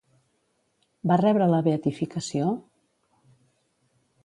Va rebre la beatificació?